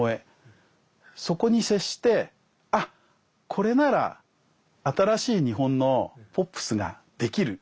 そこに接して「あっこれなら新しい日本のポップスができる」